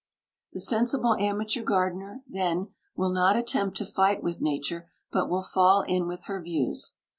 The sensible amateur gardener, then, will not attempt to fight with Nature but will fall in with her views.